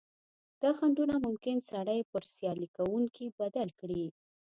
دا خنډونه ممکن سړی پر سیالي کوونکي بدل کړي.